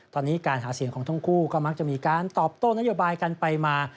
ตอนนี้การหาเสียงของทั้งคู่ก็มักจะมีการตอบโต้นโยบายกันไปมา